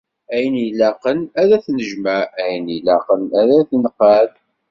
Ayen ilaqen, ad ad t-nejmeɛ, ayen ilaqen ad t-neqɛed.